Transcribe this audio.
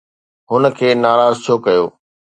هن کي ناراض ڇو ڪيو؟